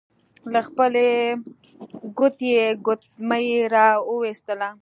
له خپلې ګوتې يې ګوتمۍ را وايسته.